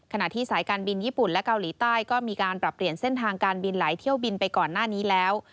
ที่สายการบินญี่ปุ่นและเกาหลีใต้ก็มีการปรับเปลี่ยนเส้นทางการบินหลายเที่ยวบินไปก่อนหน้านี้แล้ว